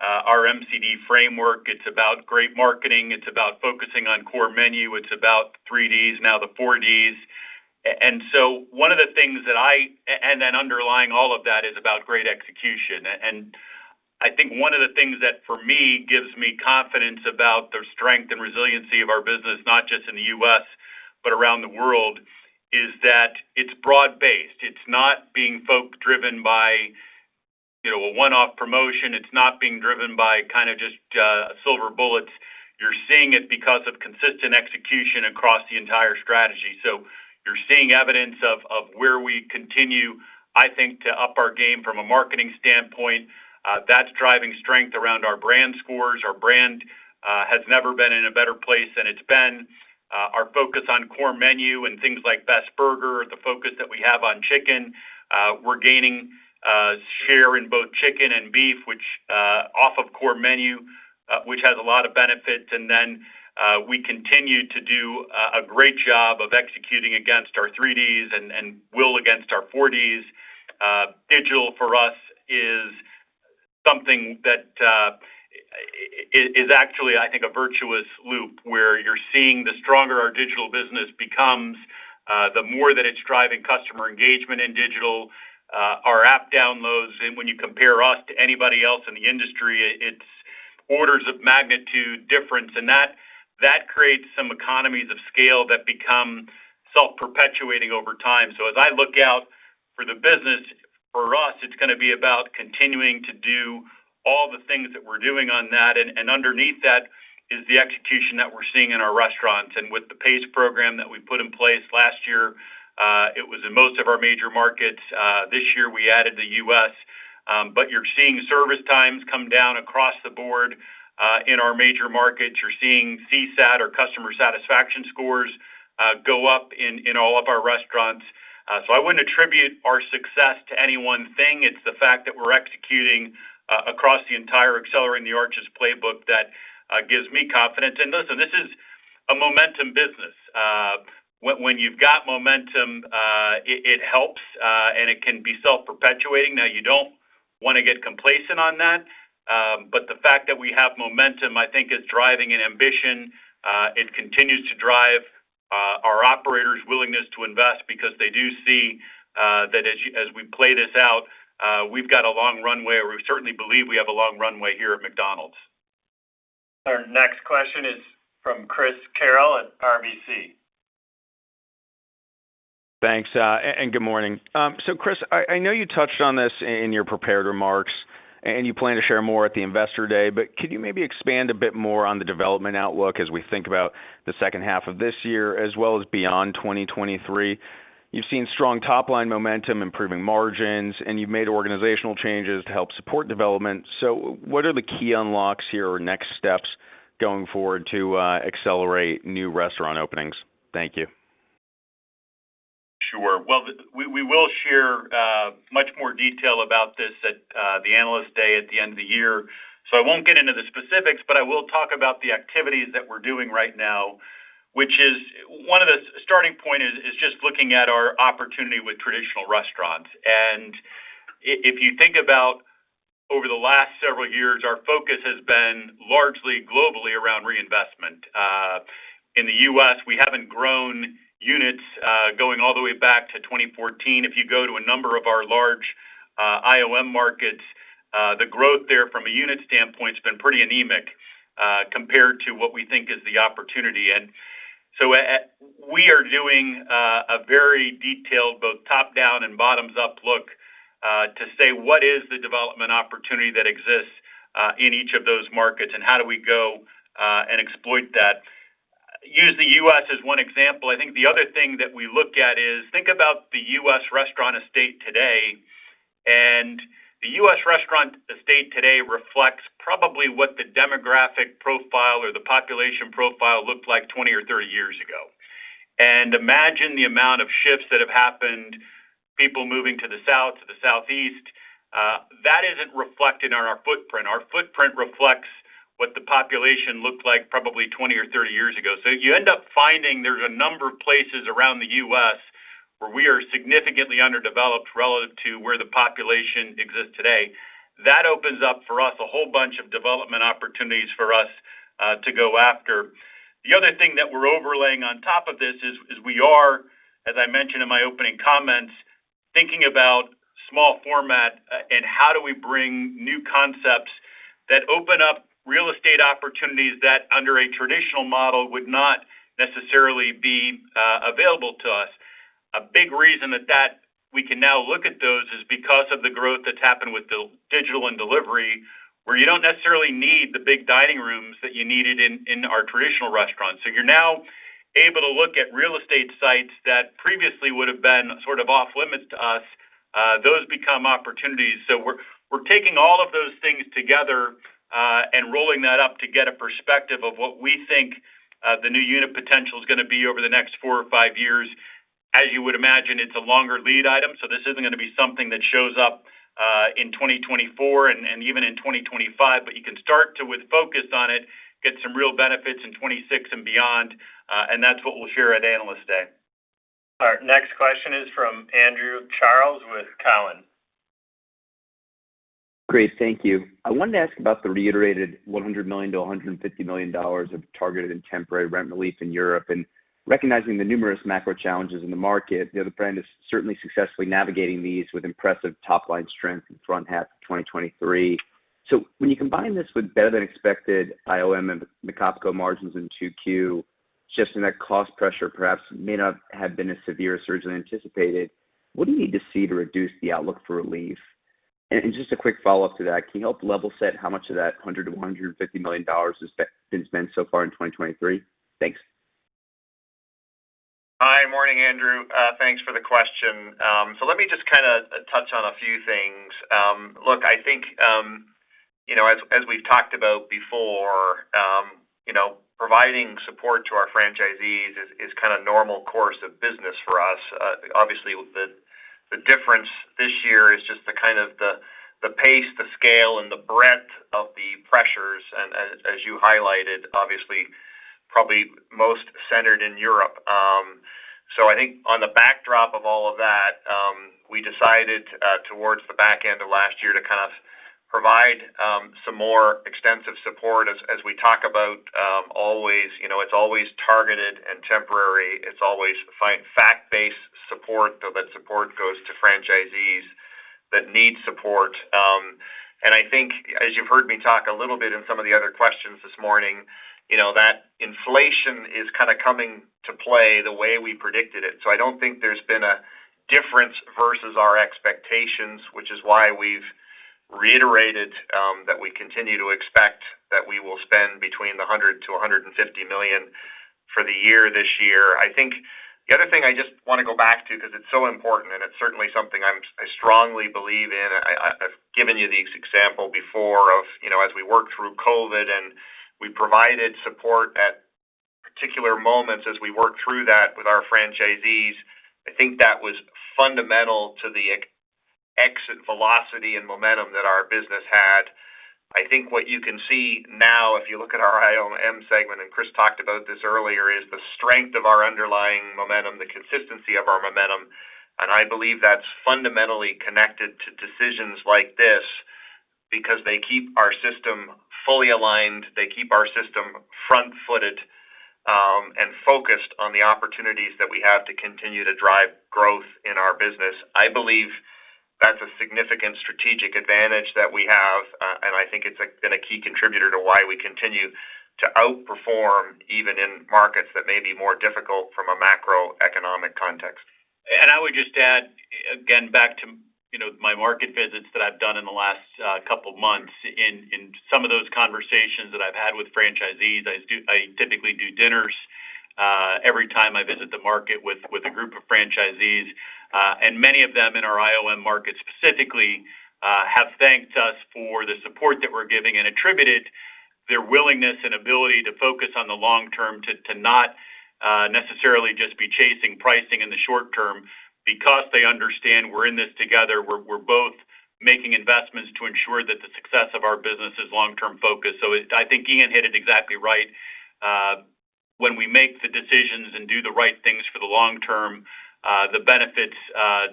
our MCD framework. It's about great marketing, it's about focusing on core menu, it's about 3Ds, now the 4Ds. So one of the things that, and then underlying all of that is about great execution. And I think one of the things that, for me, gives me confidence about the strength and resiliency of our business, not just in the U.S., but around the world, is that it's broad-based. It's not being folk driven by, you know, a one-off promotion. It's not being driven by kind of just silver bullets. You're seeing it because of consistent execution across the entire strategy. You're seeing evidence of where we continue, I think, to up our game from a marketing standpoint. That's driving strength around our brand scores. Our brand has never been in a better place than it's been. Our focus on core menu and things like Best Burger, the focus that we have on chicken, we're gaining share in both chicken and beef, which off of core menu, which has a lot of benefits. We continue to do a great job of executing against our 3Ds and will against our 4Ds. Digital, for us, is something that is actually, I think, a virtuous loop, where you're seeing the stronger our digital business becomes, the more that it's driving customer engagement in digital. Our app downloads, when you compare us to anybody else in the industry, it's orders of magnitude difference, and that, that creates some economies of scale that become self-perpetuating over time. As I look out for the business, for us, it's gonna be about continuing to do all the things that we're doing on that. Underneath that is the execution that we're seeing in our restaurants. With the PACE program that we put in place last year, it was in most of our major markets. This year, we added the U.S. You're seeing service times come down across the board, in our major markets. You're seeing CSAT or customer satisfaction scores go up in, in all of our restaurants. I wouldn't attribute our success to any one thing. It's the fact that we're executing across the entire Accelerating the Arches playbook that gives me confidence. Listen, this is a momentum business. When you've got momentum, it helps and it can be self-perpetuating. You don't wanna get complacent on that, the fact that we have momentum, I think, is driving an ambition. It continues to drive our operators' willingness to invest because they do see that as we play this out, we've got a long runway, or we certainly believe we have a long runway here at McDonald's. Our next question is from Chris Carril at RBC. Thanks, and good morning. Chris, I know you touched on this in your prepared remarks, and you plan to share more at the Investor Day, but could you maybe expand a bit more on the development outlook as we think about the second half of this year, as well as beyond 2023? You've seen strong top-line momentum, improving margins, and you've made organizational changes to help support development. What are the key unlocks here or next steps going forward to accelerate new restaurant openings? Thank you. Sure. Well, we will share much more detail about this at the Analyst Day at the end of the year. I won't get into the specifics, but I will talk about the activities that we're doing right now, which is One of the starting point is just looking at our opportunity with traditional restaurants. If you think about over the last several years, our focus has been largely globally around reinvestment. In the U.S., we haven't grown units going all the way back to 2014. If you go to a number of our large IOM markets, the growth there from a unit standpoint has been pretty anemic compared to what we think is the opportunity. We are doing a very detailed, both top-down and bottoms-up look to say, what is the development opportunity that exists in each of those markets, and how do we go and exploit that? Use the U.S. as one example. I think the other thing that we look at is, think about the U.S. restaurant estate today, and the U.S. restaurant estate today reflects probably what the demographic profile or the population profile looked like 20 or 30 years ago. Imagine the amount of shifts that have happened, people moving to the South, to the Southeast. That isn't reflected in our footprint. Our footprint reflects what the population looked like probably 20 or 30 years ago. You end up finding there's a number of places around the U.S. where we are significantly underdeveloped relative to where the population exists today. That opens up for us a whole bunch of development opportunities for us to go after. The other thing that we're overlaying on top of this is we are, as I mentioned in my opening comments, thinking about small format, and how do we bring new concepts that open up real estate opportunities that under a traditional model would not necessarily be available to us. A big reason that we can now look at those is because of the growth that's happened with the digital and delivery, where you don't necessarily need the big dining rooms that you needed in our traditional restaurants. You're now able to look at real estate sites that previously would have been sort of off limits to us. Those become opportunities. We're taking all of those things together, and rolling that up to get a perspective of what we think the new unit potential is gonna be over the next four or five years. As you would imagine, it's a longer lead item, so this isn't gonna be something that shows up in 2024 and even in 2025. But you can start to, with focus on it, get some real benefits in 2026 and beyond, and that's what we'll share at Analyst Day. Our next question is from Andrew Charles with Cowen. Great, thank you. I wanted to ask about the reiterated $100 million-$150 million of targeted and temporary rent relief in Europe, recognizing the numerous macro challenges in the market. The other brand is certainly successfully navigating these with impressive top-line strength in the front half of 2023. When you combine this with better than expected IOM and the comp-o margins in 2Q, just in that cost pressure, perhaps may not have been as severe or surge than anticipated. What do you need to see to reduce the outlook for relief? Just a quick follow-up to that, can you help level set how much of that $100 million-$150 million has been spent so far in 2023? Thanks. Hi. Morning, Andrew. Thanks for the question. Let me just kinda touch on a few things. Look, I think, you know, as we've talked about before, you know, providing support to our franchisees is kind of normal course of business for us. Obviously, the difference this year is just the kind of the pace, the scale, and the breadth of the pressures, and as you highlighted, obviously, probably most centered in Europe. I think on the backdrop of all of that, we decided towards the back end of last year to kind of provide some more extensive support as we talk about, always, you know, it's always targeted and temporary. It's always fact-based support, so that support goes to franchisees that need support. I think as you've heard me talk a little bit in some of the other questions this morning, you know, that inflation is kind of coming to play the way we predicted it. I don't think there's been a difference versus our expectations, which is why we've reiterated that we continue to expect that we will spend between $100 million-$150 million for the year this year. I think the other thing I just wanna go back to, 'cause it's so important, and it's certainly something I strongly believe in. I've given you this example before of, you know, as we worked through COVID, and we provided support at particular moments as we worked through that with our franchisees. I think that was fundamental to the exit velocity and momentum that our business had. I think what you can see now, if you look at our IOM segment, Chris talked about this earlier, is the strength of our underlying momentum, the consistency of our momentum. I believe that's fundamentally connected to decisions like this because they keep our system fully aligned. They keep our system front-footed and focused on the opportunities that we have to continue to drive growth in our business. I believe that's a significant strategic advantage that we have. I think it's been a key contributor to why we continue to outperform, even in markets that may be more difficult from a macroeconomic context. I would just add, again, back to, you know, my market visits that I've done in the last couple of months. In some of those conversations that I've had with franchisees, I typically do dinners every time I visit the market with a group of franchisees, and many of them in our IOM markets specifically, have thanked us for the support that we're giving and attributed their willingness and ability to focus on the long term, to not necessarily just be chasing pricing in the short term because they understand we're in this together. We're both making investments to ensure that the success of our business is long-term focused. I think Ian hit it exactly right. When we make the decisions and do the right things for the long term, the benefits,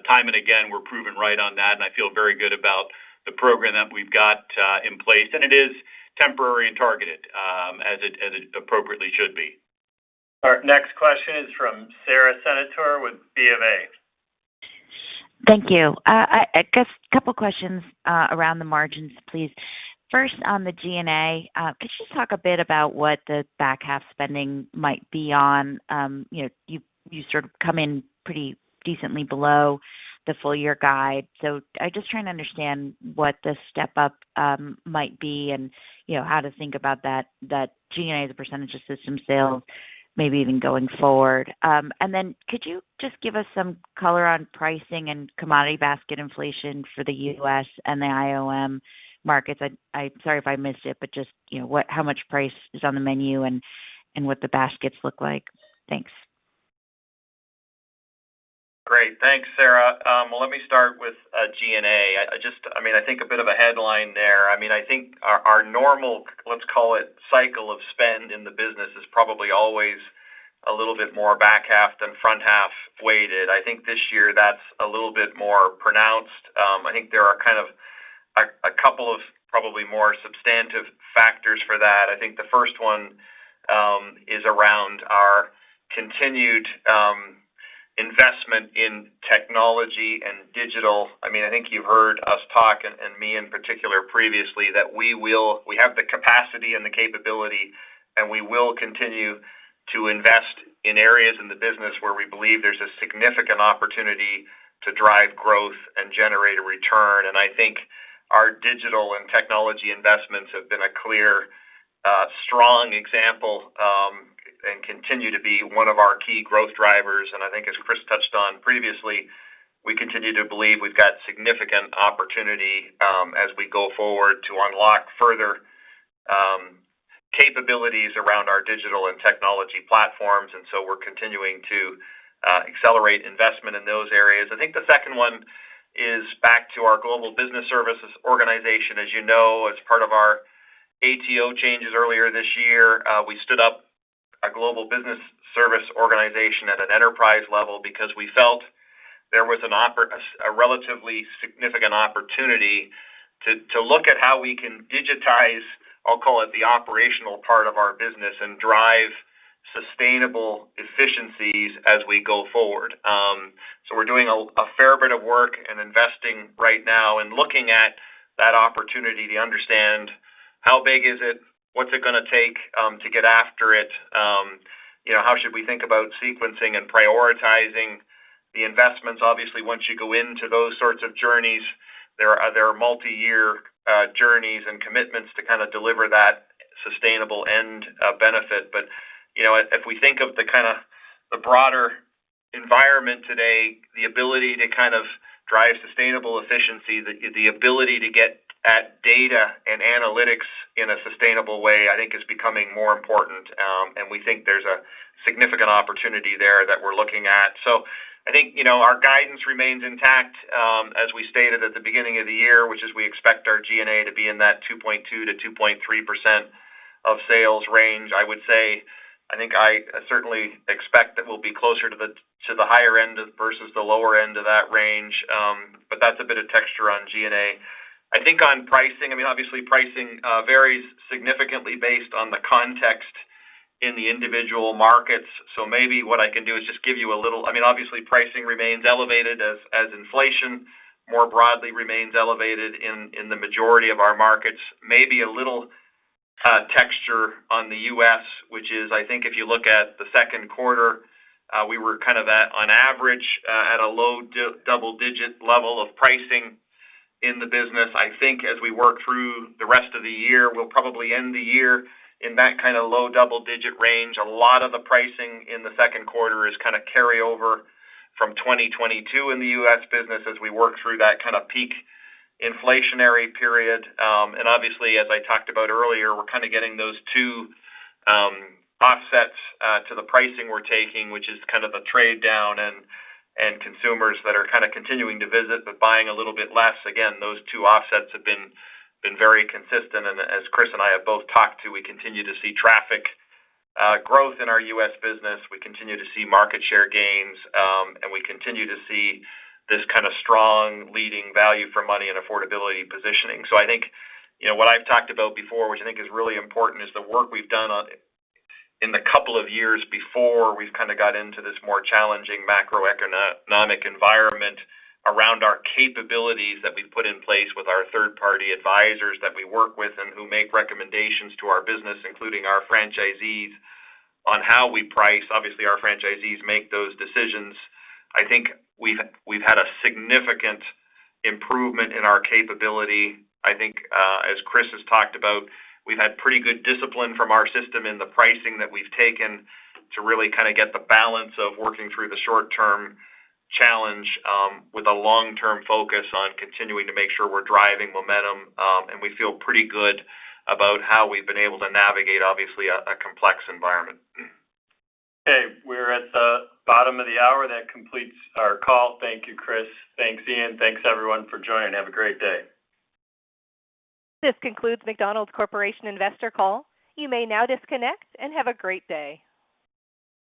time and again, we're proven right on that. I feel very good about the program that we've got in place. It is temporary and targeted, as it appropriately should be. Our next question is from Sara Senatore with BofA. Thank you. I guess a couple questions around the margins, please. First, on the G&A, could you just talk a bit about what the back half spending might be on? You know, you sort of come in pretty decently below the full year guide, so I'm just trying to understand what the step-up might be and, you know, how to think about that G&A as a % of system sales, maybe even going forward. Could you just give us some color on pricing and commodity basket inflation for the U.S. and the IOM markets? I sorry if I missed it, but just, you know, what how much price is on the menu and what the baskets look like? Thanks. Great. Thanks, Sara. Well, let me start with G&A. I mean, I think a bit of a headline there. I mean, I think our, our normal, let's call it, cycle of spend in the business is probably always a little bit more back half than front half weighted. I think this year that's a little bit more pronounced. I think there are a couple of probably more substantive factors for that. I think the first one is around our continued investment in technology and digital. I mean, I think you've heard us talk, and, and me in particular previously, that we have the capacity and the capability, and we will continue to invest in areas in the business where we believe there's a significant opportunity to drive growth and generate a return. Our digital and technology investments have been a clear, strong example and continue to be one of our key growth drivers. As Chris touched on previously, we continue to believe we've got significant opportunity as we go forward, to unlock further capabilities around our digital and technology platforms. We're continuing to accelerate investment in those areas. The second one is back to our Global Business Services organization. As you know, as part of our ATO changes earlier this year, we stood up a Global Business Services organization at an enterprise level because we felt there was a relatively significant opportunity to look at how we can digitize, I'll call it, the operational part of our business and drive sustainable efficiencies as we go forward. We're doing a fair bit of work and investing right now and looking at that opportunity to understand how big is it? What's it gonna take to get after it? You know, how should we think about sequencing and prioritizing the investments? Obviously, once you go into those sorts of journeys, there are multiyear journeys and commitments to kind of deliver that sustainable end benefit. You know, if we think of the kind of the broader environment today, the ability to kind of drive sustainable efficiency, the ability to get at data and analytics in a sustainable way, I think is becoming more important. We think there's a significant opportunity there that we're looking at. I think, you know, our guidance remains intact, as we stated at the beginning of the year, which is we expect our G&A to be in that 2.2%-2.3% of sales range. I would say, I think I certainly expect that we'll be closer to the higher end of versus the lower end of that range. But that's a bit of texture on G&A. I think on pricing, I mean, obviously, pricing varies significantly based on the context in the individual markets. Maybe what I can do is just give you a little. I mean, obviously, pricing remains elevated as inflation more broadly remains elevated in the majority of our markets. Maybe a little texture on the US, which is, I think if you look at the second quarter, we were kind of at, on average, at a low double-digit level of pricing in the business. I think as we work through the rest of the year, we'll probably end the year in that kind of low double-digit range. A lot of the pricing in the second quarter is kind of carryover from 2022 in the US business as we work through that kind of peak inflationary period. Obviously, as I talked about earlier, we're kind of getting those two offsets to the pricing we're taking, which is kind of a trade down and consumers that are kind of continuing to visit, but buying a little bit less. Again, those two offsets have been very consistent. As Chris and I have both talked to, we continue to see traffic growth in our U.S. business. We continue to see market share gains, and we continue to see this kind of strong leading value for money and affordability positioning. I think, you know, what I've talked about before, which I think is really important, is the work we've done on, in the couple of years before we've kind of got into this more challenging macroeconomic environment around our capabilities that we've put in place with our third-party advisors that we work with and who make recommendations to our business, including our franchisees, on how we price. Obviously, our franchisees make those decisions. I think we've had a significant improvement in our capability. I think, as Chris has talked about, we've had pretty good discipline from our system in the pricing that we've taken to really kind of get the balance of working through the short-term challenge, with a long-term focus on continuing to make sure we're driving momentum. We feel pretty good about how we've been able to navigate, obviously, a complex environment. Okay, we're at the bottom of the hour. That completes our call. Thank you, Chris. Thanks, Ian. Thanks, everyone, for joining. Have a great day. This concludes McDonald's Corporation investor call. You may now disconnect and have a great day.